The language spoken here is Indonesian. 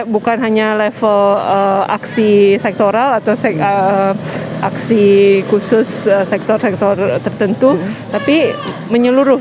bukan hanya level aksi sektoral atau aksi khusus sektor sektor tertentu tapi menyeluruh